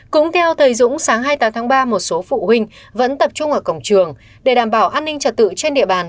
cũng theo thời dũng sáng hai mươi tám tháng ba một số phụ huynh vẫn tập trung ở cổng trường để đảm bảo an ninh trật tự trên địa bàn